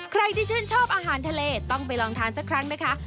ใครที่ชื่นชอบอาหารทะเลต้องไปลองทานสักครั้งนะคะ